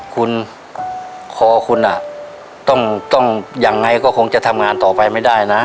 คุณคอคุณต้องยังไงก็คงจะทำงานต่อไปไม่ได้นะ